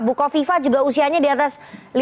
bukoviva juga usianya di atas lima puluh